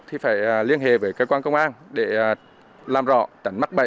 thì phải liên hệ với cơ quan công an để làm rõ tránh mắc bậy